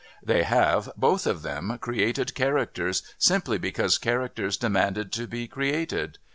They have, both of them, created characters simply because characters demanded to be created.